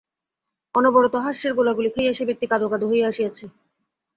অনবরত হাস্যের গোলাগুলি খাইয়া সে ব্যক্তি কাঁদো কাঁদো হইয়া আসিয়াছে।